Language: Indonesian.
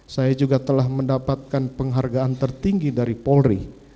saya juga telah mendapatkan penghargaan tertinggi dari polri